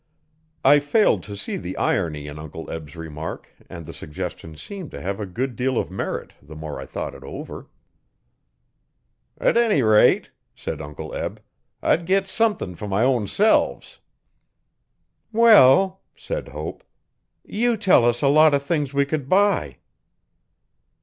I failed to see the irony in Uncle Eb's remark and the suggestion seemed to have a good deal of merit, the more I thought it over. ''T any rate,' said Uncle Eb, 'I'd git somethin' fer my own selves.' 'Well,' said Hope, 'You tell us a lot o' things we could buy.'